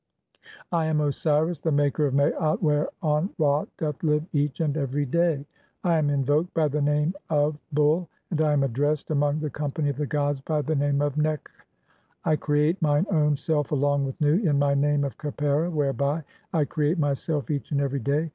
I am Osiris, the 'maker of Maat whereon Ra doth live each and every day. (15) 282 THE CHAPTERS OF COMING FORTH BY DAY. "I am invoked [by the name of] 'Bull', and I am addressed "among the company of the gods by the name of 'Nekh'. I "create mine own self along with Nu in my name (16) of Khepera, "whereby I create myself each and every dav.